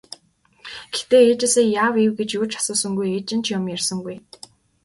Гэхдээ ээжээсээ яав ийв гэж юу ч асуусангүй, ээж нь ч юм ярьсангүй.